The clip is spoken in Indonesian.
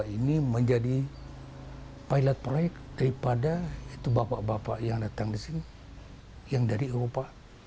ini menjadi pilot proyek daripada bapak bapak yang datang di sini yang dari eropa